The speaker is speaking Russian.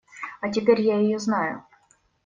А теперь я ее знаю.